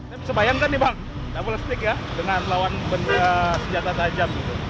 bisa bayangkan nih bang double stick ya dengan lawan benda senjata tajam gitu